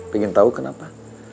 pengen tahu kenapa